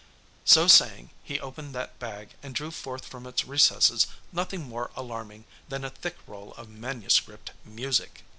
So saying, he opened that bag and drew forth from its recesses nothing more alarming than a thick roll of manuscript music.